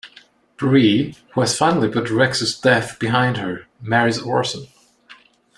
Bree, who has finally put Rex's death behind her, marries Orson.